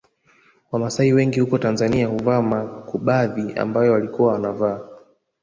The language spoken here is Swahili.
Wamasai wengi huko Tanzania huvaa makubadhi ambayo walikuwa wanavaa